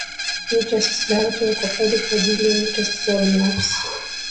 interest za watu wako pale kwajili ya interest zao binafsi